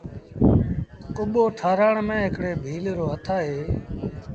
ڪٻو ٺآرآڻ ميݩ هڪڙي ڀيٚل رو هٿ اهي۔